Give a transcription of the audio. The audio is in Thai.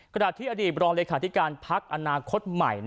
กระดาษที่อดีตรองโรงโลกศาถิการพักอานาคตใหม่